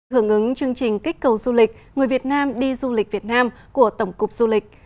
hưởng ứng chương trình kích cầu du lịch người việt nam đi du lịch việt nam của tổng cục du lịch